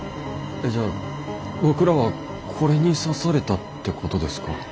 えじゃあ僕らはこれに刺されたってことですか？